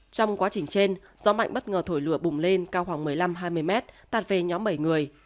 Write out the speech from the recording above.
trong quá trình trên gió mạnh bất ngờ thổi lửa bùng lên cao khoảng một mươi năm hai mươi mét tan về nhóm bảy người